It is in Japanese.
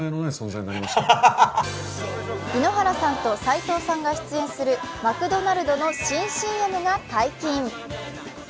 井ノ原さんと斉藤さんが出演するマクドナルドの新ＣＭが解禁。